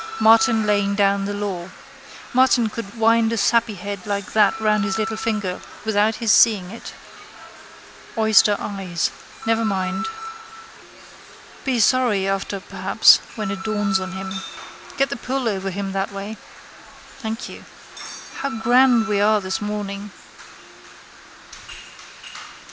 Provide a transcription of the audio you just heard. Martin laying down the law. Martin could wind a sappyhead like that round his little finger, without his seeing it. Oyster eyes. Never mind. Be sorry after perhaps when it dawns on him. Get the pull over him that way. Thank you. How grand we are this morning!